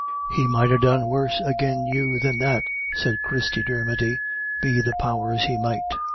"He might ha' done worse agin you than that," said Christie Dermody, "be the powers he might."